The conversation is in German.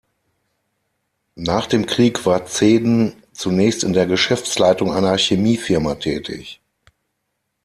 Nach dem Krieg war Zehden zunächst in der Geschäftsleitung einer Chemiefirma tätig.